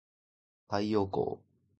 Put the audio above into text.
太陽光